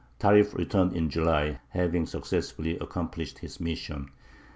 Tarīf returned in July, having successfully accomplished his mission.